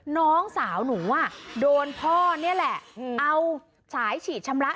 น้องสาวหนูอ่ะโดนพ่อนี่แหละเอาสายฉีดชำระ